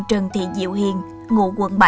trần thị diệu hiền ngụ quận bảy